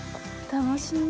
楽しみ。